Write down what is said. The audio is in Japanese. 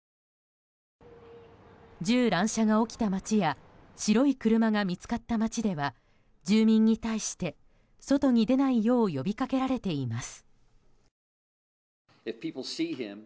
銃乱射が起きた街や白い車が見つかった街では住民に対して外に出ないよう呼びかけられています。